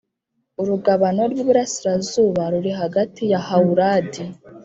Urugabano rw iburasirazuba ruri hagati ya Hawurad